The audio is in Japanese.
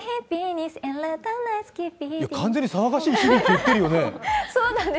完全に「騒がしい」って言ってるよね。